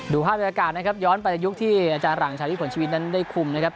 ภาพบรรยากาศนะครับย้อนไปในยุคที่อาจารย์หลังชาที่ผลชีวิตนั้นได้คุมนะครับ